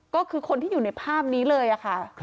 ก็คือคนที่อยู่ในภาพนี้เลยค่ะ